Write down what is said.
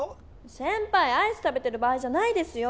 せんぱいアイス食べてる場合じゃないですよ。